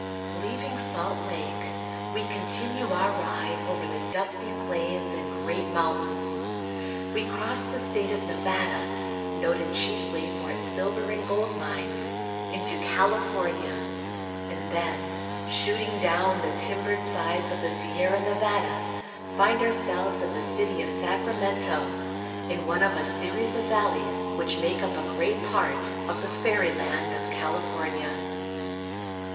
LEAVING Salt Lake, we continue our ride over the ^ dusty plains and great mountains. We cross the state of Nevada, noted chiefly for its silver and gold mines, into California, and then, shooting down the timbered sides of the Sierra Nevada, find ourselves at the city of Sacramento, in one of a series of valleys which make up a great part of the fairyland of California.